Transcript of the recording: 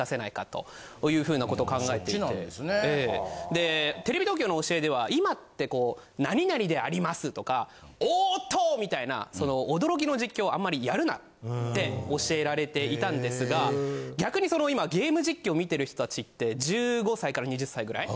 でテレビ東京の教えでは今ってこう「なになにであります」とか「おっと！」みたいなその驚きの実況をあまりやるなって教えられていたんですが逆にその今ゲーム実況を見ている人たちって１５歳から２０歳ぐらい？